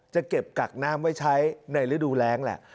จะเก็บกักน้ำไว้ใช้ในฤดูแรงแหละ